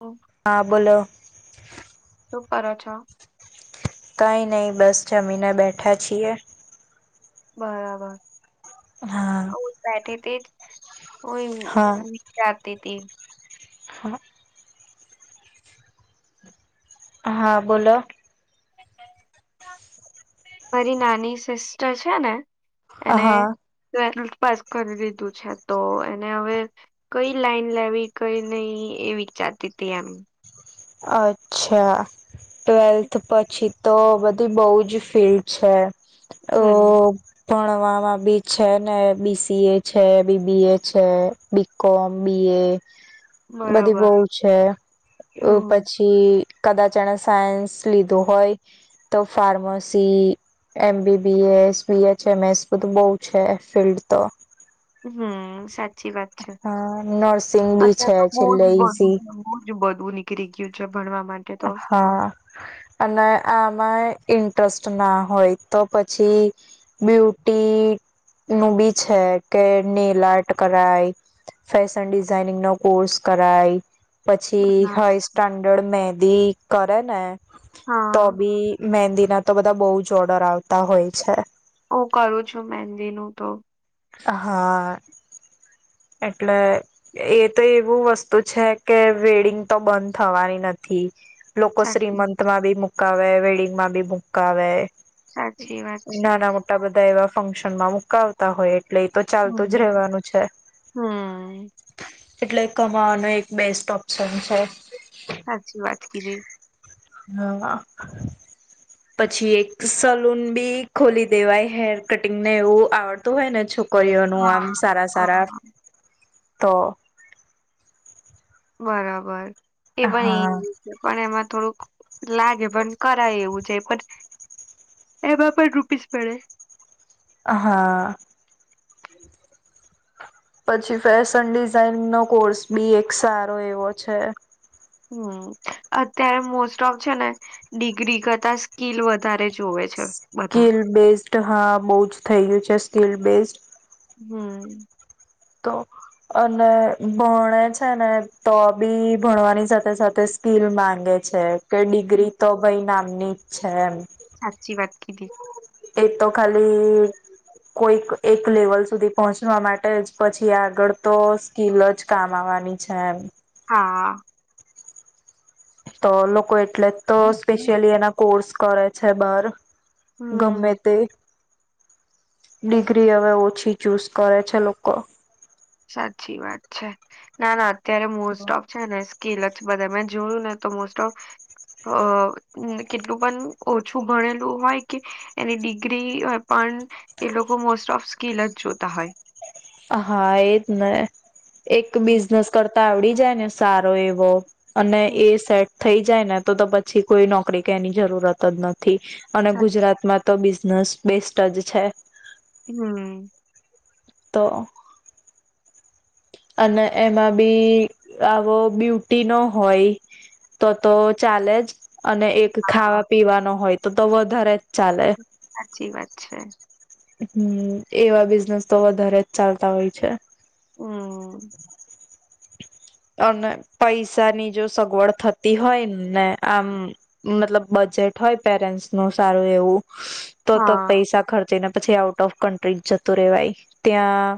હમ, હા બોલો. શું કરો છો? કઈ નઈ બસ જમીને બેઠા છીએ. બરાબર. હા ઓ બેઠીતી ઓય ઈ જાતી તી. હા. હા બોલો. [inaudible] મારી નાની સિસ્ટર છે ને એને હા ટ્વેલ્થ પાસ કરી લીધું છે તો એને હવે કઈ લાઈન લેવી, કઈ નહી એ વિચારતી તી એમ. અચ્છા, ટ્વેલ્થ પછી તો બધી બઉ જ ફિલ્ડ છે. અ હમ્મ ભણવામાં બી છે ને બી સી એ છે, બી બી એ છે, બી કોમ, બી એ. બધી બરોબર બવ છે. એવું હમ્મ પછી ઈ કદાચ એણે સાયન્સ લીધું હોય, તો pharmacy M B B S, B H M S બધું બઉ છે ફિલ્ડ તો. હમ્મ સા સાચી વાત છે હા નર્સિંગ બી છે અત્યારે તો બોજ છેલ્લે બધું ઈઝી બો જ બધું નીકળી ગયું છે ભણવા માટે તો. હા અને આમાં ઇન્ટરેસ્ટ ના હોય તો પછી બ્યુટી નું બી છે. કે નેલ આર્ટ કરાય, ફેશન ડિઝઇનિંગ નો કોર્સ કરાય પછી હા હ સ્ટાન્ડર્ડ મેજ [unintelligible] કરેને તો હા, બી મેંદી ના તો બધા બઉુ જ ઓર્ડર આવતા હોય છે. હું કરું છું, મહેંદીનું તો હા. એટલે એ તો એવું વસ્તુ છે કે, વેડિંગ તો બંધ થવાની નથી. લોકો સાચું. શ્રીમંત માં બી મુકાવે, વેડિંગ માં બી મુકાવે સાચી વાત છે. ના ના મોટા બધા એવા ફંક્શન માં મુકાવતા હોય એટલે એ તો ચાલતું જ રેવાનું છે. હમ્મ એટલે કમાવાનો એક બેસ્ટ ઓપ્શન છે. સાચી વાત કીધી. હા પછી એક સલુન બી ખોલી દેવાય હેર કટિંગ ને એવું આવડતું હોય ને છોક કરી ઓનું આમ હા. સારા સારા. હા તો. બરાબર. એ હા. પણ ઇ પણ એમાં થોડુંક લાગે પણ કરાય એવું જે પણ એમાં પણ રૂપીસ પડે. હા. પછી ફેશન ડિઝઇન નો કોર્સ બી એક સારો એવો છે. હમ્મ, અત્યારે મોસ્ટ ઓફ છે ને, ડિગ્રી કરતા સ્કીિલ વધારે જોવે છે. બધા કીલ બેસ તો હા બહુજ થઈ ગયું છે સ્કીલ બેઝડ. હમ્મ. તો અને ભણે છે ને, તો બી ભણવાની સાથે સાથે સ્કીલ માંગે છે. કે ડિગ્રી તો ભાઈ નામ ની છે એમ. સાચી વાત કીધી. એ તો ખાલી કોઈક એક લેવલ સુધી પહોંચવા માટે જ પછી આગળ તો સ્કીલ જ કામ આવવાની છે એમ. હા. તો લોકો એટલે જ તો સ્પેશિયલી એના કોર્સ કરે છે બાર. ગમે હમ તે. ડિગ્રી હવે ઓછી ચૂઝ કરે છે લોકો સાચી વાત છે ના ના ત્યારે મોસ્ટ ઓફ છે ને સ્કેલ જ બધા મેં જોયું ને તો મોસ્ટ ઓફ કેટલું પણ ઓછું ભણેલું હોય કે એની ડિગ્રી પણ એ લોકો મોસ્ટ ઓફ સ્કીિલ જ જોતા હોય હા એ જ ને એક બિઝનેસ કરતા આવડી જાને સારો એવો અને હમ એ સેટ થઈ જાય ને તો તો પછી કોઈ નોકરી કે એની જરૂરત જ નથી થી અને સાચી ગુજરાત માં તો બ નસ બેસ્ટ જ છે હમ તો અને એમાં બી આવો બ્યુટી ન હોય તો તો ચાલે જ અને એક હા, ખાવા પીવાનો હોય તો તો વધારે ચાલે સાચી વાત છે હમ એવા બિઝનેસ તો વધારે જ ચાલતા હોય છે હમ્મ. અને પૈસાની જો સગવડ થતી હોય ને આમ મતલબ બજેટ હોય પેરેન્ટ્સ નું સારું એવું તો તો હા પૈસા ખર જેને પછી આઉટ ઓફ કન્ટ્રી જતું રેવાય. ત્યાં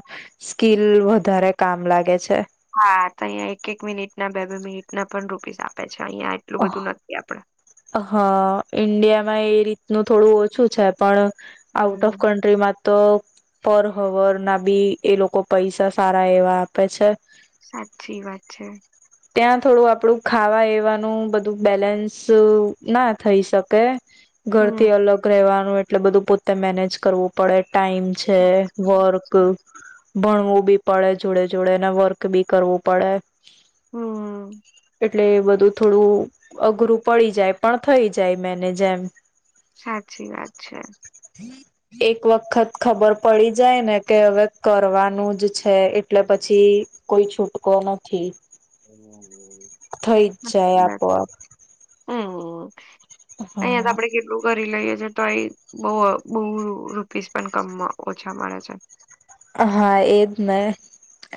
સ્કીલ વધારે કામ લાગે છે. હા, તો અહીંયા એક એક મિનિટ ના બે બે મિનિટ ના પણ રૂપીસ આપે અચ્છા અહિયાં એટલું બધું નથી આપડે. હા, ઈન્ડિયામાં એ રીતનું થોડું ઓછું છે પણ આઉટ ઓફ હમ કન્ટ્રીમાં તો પર હવર ના બી એ લોકો પૈસા સારા એવા આપે છે. સાચી વાત છે. ત્યાં થોડું આપડું ખાવા એવાનું બધું બેલેન્સ ના થઈ શકે. હમ ઘરથી અલગ રહેવા નું એટલે બધું પોતે મેનેજ કરવું પડે. ટાઈમ છે સાચી વાત વર્ક છે. ભણવું બી પડે જોડે જોડે ને વર્ક બી કરવું પડે. હમ એટલે બધું થોડું અઘરું પડી જાય પણ થઈ જાય મેનેજ એમ. સાચી વાત છે. એક વખત ખબર પડી જાય ને કે હવે કરવાનું જ છે એટલે પછી કોઈ છૂટકો નથી. થઈ જ જાય આપોઆપ. હમ અહિયાં તો હા આપડે કેટલું કરી લઈએ. તો એ બહુ રૂપીસ પણ કમ ઓછા મળે છે. હા એજ ને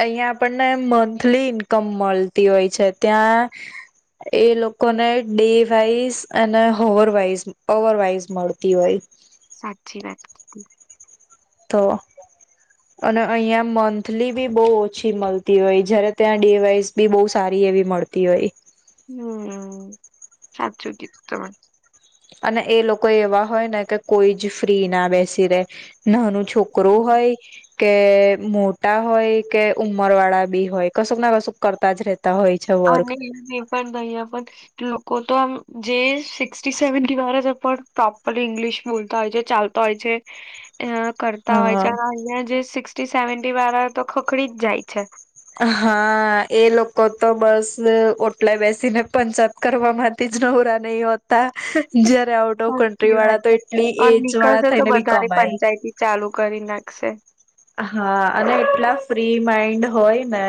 અહીયાં આપણને મંથલી ઇન્કમ મળતી હોય છે. ત્યાં એ લોકોને ડે વાઈઝ અને હોવરવાઈઝ અવરવાઈઝ મળતી હોય. સાચી વાત. તો અને અહીંયા મંથલી બી બહુ ઓછી મળતી હોય જયારે ત્યાં ડે વાઇસ બી બહુ સારી એવી મળતી હોય. હમ્મ, સાચું કીધું તમે. અને એ લોકો એવા હોય ને કે કોઈ જ ફ્રી ના બેસી રે. નાનું છોકરો હમ. હોય. કે મોટા હોય કે ઉમર વાળા બી હોય કશુંક ના કશુંક કરતા જ રે આ ને એ એ પણ [inaudible] કો તો આમ જે સિક્ટી સેવેન્ટી વાળા પ્રોપર ઇંગ્લિશ બોલતા હોય છે ચાલતા હોય છે. અ કરતા હોય હા જ્યારે અહિયાં જે સિક ટી સેવેન્ટી વાળા તો ખખડી જ જાય છે. હા એ લોકો તો બસ ઓટલાય બેસીને પંચાયત કરવા માંથી જ નવરા નહી હો સાચી વાત વાળા તો છે. એટલી અન એજ વાળા નીકળશે તો થઈને બી બધાને કમાય પંચાયતી ચાલુ કરી નાખશે. હા અને એટલા ફ્રી માઈન્ડ હોય ને.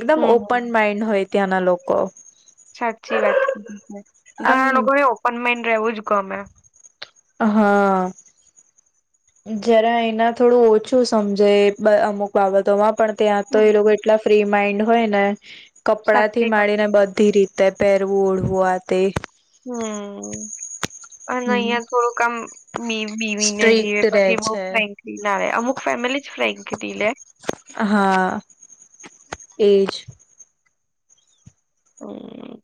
એકદમ હમ. ઓપન માઇન્ડ હોય. ત્યાંના લોકો. સાચી વાત [inaudible] આમ ઘણા લોકો એ ઓપન માઈન્ડ રહેવું જ ગમે. હા. જરા એના થોડું ઓછું સમજે એ અમુક બાબતોમાં. પણ ત્યાં તો એ લોકો હમ એટલા ફ્રી માઈન્ડ હોય ને કપડા થી સાચી વાત માંડીને બધી રીત તે પેરવું ઓઢવા તે હમ્મ. અને અહિયાં થોડું કામ બી બીવીને જીવે સ્ટ્રીક્ટ રે પછી બઉ છે ફ્રેન્કલી ના રે. એ અમુક ફેમિલી ફ્રેન્કલી લે. હા એજ. હમ્મ.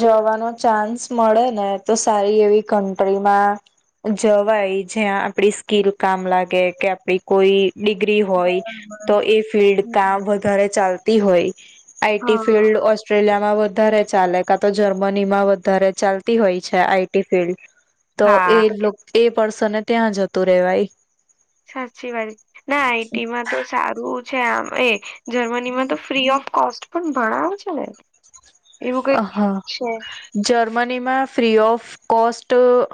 જવાનો ચાન્સ મળે ને તો સારી એવી કન્ટ્રીમાં જવાય જ્યાં આપડી સ્કીલ કામ લાગે કે, આપડી કોઈ ડિગ્રી હોય બરાબર તો એ ફિલ્ડ કા હમ વધારે ચાલ તી હોય. આઈ ટી હા ફિલ્ડ ઓસ્ટ્રેલિયા માં વધારે ચાલે કા તો જર્મની માં વધારે ચાલતી હોય છે આઈ ટી ફિલ્ડ. તો એ હા લોક એ પર્સન ને ત્યાં જતું રેવાય. સાચી વાત ના આઈ ટી માં તો સારું છે આમ એ જર્મની માં તો ફ્રી ઓફ કોસ્ટ પણ ભઆવ છે ને? એવું અ કઈક છે હા જર્મન નીમાં ફ્રી ઓફ કોસ્ટ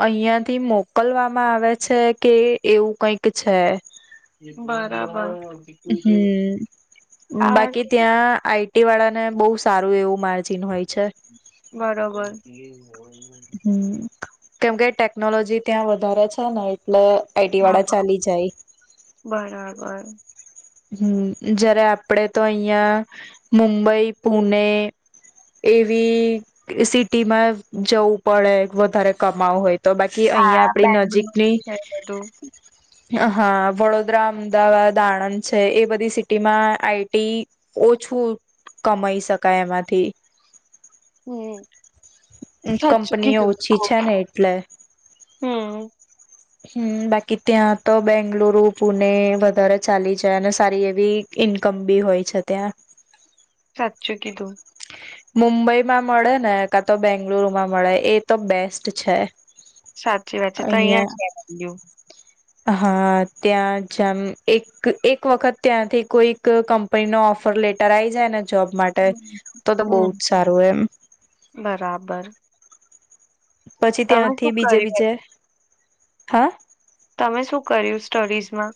અહંથી મોકલવામાં આવે છે કે એવું કંઈક છે. બરાબર. હમ્મ, આ બાકી ત્યાં આઈ ટી વાળા ને બહુ સારું એવું માર્જિન હોય છે. બરોબર. હમ્મ. કેમ કે ટેકનોલોજી ત્યાં વધારે છે ને એટલે આઈટી હા, વાળા ચાલી જાય. બરાબર. હમ્મ જયારે આપડે તો અહિયાં મુંબઈ, પુને એવી સિટીમાં જવું પડે વધારે કમાઉ હોય તો બાકી હા અહિયાં આપડી બેંગલુર નજીકની છે બધું. હા વડોદરા, અમદાવાદ, આણંદ છે એ બધી સિટીમાં આઈ ટી ઓછું કમાઈ શકાય એમાંથી. હમ્મ, સાચી કંપનીઓ કીધુ. ઓછી છે ને એટલે હમ્મ. હમ્મ, બાકી ત્યાં તો બેંગલુરુ, પુણે વધારે ચાલી જ છે અને સારી એવી ઇન્કમ બી હોય છે ત્યાં. સાચું કીધુ. મુંબઈમાં મળે ને કા તો બેંગલુરુમાં મળે એ તો બેસ્ટ છે. સાચી વાત છે. તો અહીયાં અહિયાં જ [inaudible] હા ત્યાં જમ એક એક વખત ત્યાંથી કોઈક કંપનીનો ઓફર લેટર આવી જાય ને જોબ માટે હમ. તો તો બવ જ હમ સારું એમ. બરાબર પછી તમે શું ત્યાંથી બીજે કર્યું બીજે હે? તમે શું કર્યું સ્ટડીઝમાં?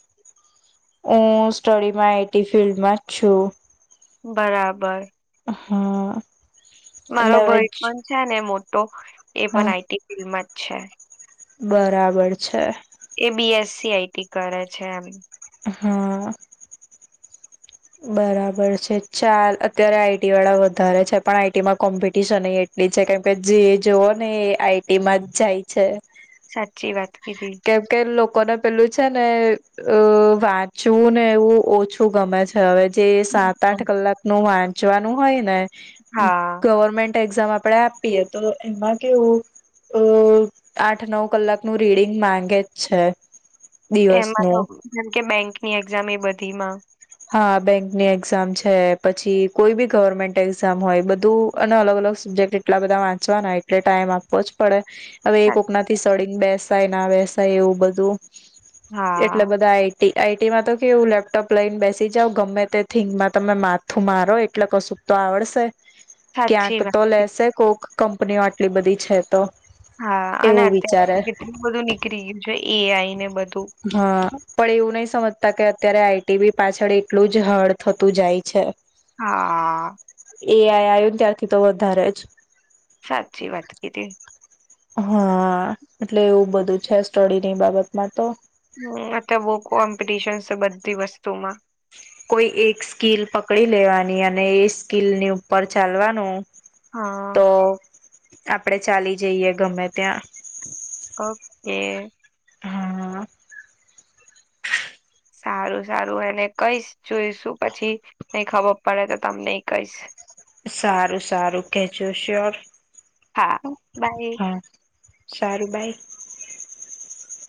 હું સ્ટડીમાં આઈ ટી ફિલ્ડમાં જ છું. બરાબર. હમ્મ. મારો ભય પણ છે ને મોટો એ પણ હા આઈ ટી ફિલ્ડમાં જ છે. બરાબર છે. એ B S C I T કરે છે એમ. હા. બરાબર છે. ચાલ અત્યારે આઈ ટી વાળા વધારે છે પણ આઈ ટી માં કોમ્પિટિશન એટલી છે કેમ કે જે જોઓને એ આઈ ટી માં જ જાય છે. સાચી વાત કીધી. કેમ કે લોક કોને પેલું છે ને અહ વાંચવું ને એવું ઓછું ગમે છે હવે. જે સાત આઠ હમ. કલાક નો વાન ચવાનું હોય ને હા ગવર્મેન્ટ એક્ઝામ આપડે આપીએ તો એમાં કેવું અહ આઠ નવ કલાકનું રીડિંગ માંગે જ છે એમાં તો દિવસનું જેમ કે બેંકની એક્ઝામ એ બ ધીમાં. હા, બેંકની એક્ઝામ છે પછી કોઈ બી ગવર્મેન્ટ એક્ઝામ હોય બ ધું અને અલગ અલગ સબ્જેક્ટ જેટલા બધા વાંચવાના એટલે ટાઈમ આપવો જ પડે. હવે એ સા કોકના થી સળિંગ બેસ વાય ના વેસાય એવું બધું. એટલે હા. બધા એક આઈ ટી માં તો કેવું લેપટોપ લઈને બેસ સી જાવ ગમે તે થીગમાં તમે માથું મારો એટલે કશું તો આવડશે. સાચી ક્યાંક વાત તો છે. લેસે કોક. કંપનીઓ આટલી બધી છે તો. હા અને એવું વિચારે અત્યારે કેટલું બધું નીકળી ગયું છે. એ હા પણ એવું નહી સમજતા કે અત્યારે આઈ ટી બી પાછળ એટલું જ હળ થતું જાય છે. હા. એ આઈ આયુ ને ત્યારથી તો વધારે જ. સાચી વાત કીધી હા એટલે એવું બધું છે સ્ટડીની બાબતમાં તો. હમ્મ આ તો બો કોમ્પિટિશન છે બધી વસ્તુમાં. કોઈ એક સ્કીલ પકડી લેવાની અને એ સ્કીલની ઉપર ચાલવાનું. હા. તો આપડે ચાલી જઈએ ગમે ત્યાં. કબ કે. હા. સારું સારું એને કઈશ જોઈશું પછી નઈ ખબર પડે તો તમને કહીશ. સારું સારું કેજો શ્યોર. હા, બાય. શારું બાય.